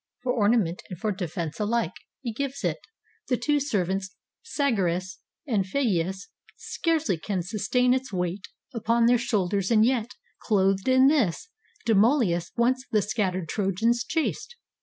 For ornament and for defence alike He gives it. The two servants Sagaris And Phegeus scarcely can sustain its weight Upon their shoulders; and yet, clothed in this, Demoleos once the scattered Trojans chased.